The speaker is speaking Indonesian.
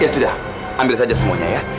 ya sudah ambil saja semuanya ya